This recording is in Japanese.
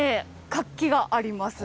活気があります。